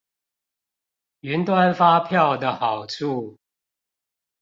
雲端發票的好處